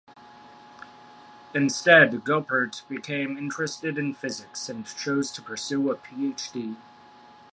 Instead, Goeppert became interested in physics, and chose to pursue a Ph.D.